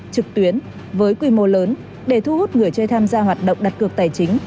trực tuyến với quy mô lớn để thu hút người chơi tham gia hoạt động đặt cược tài chính